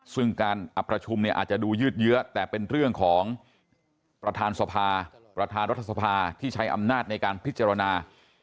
ซึ่งการอับประชุมเนี่ยอาจจะดูยืดเยอะแต่เป็นเรื่องของประธานสภาประธานรัฐสภาที่ใช้อำนาจในการพิจารณา